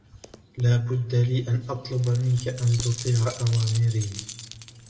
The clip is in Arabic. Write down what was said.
لا بد لي أن أطلب منك أن تطيع أوامري.